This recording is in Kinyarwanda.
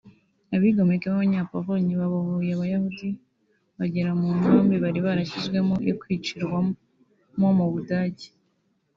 abigomeke b’abanyapolonye babohoye abayahudi bagera kuri mu nkambi bari barashyizwe mo yo kwicirwa mo mu budage